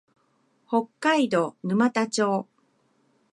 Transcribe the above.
北海道沼田町